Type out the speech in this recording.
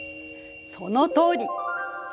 そのとおり。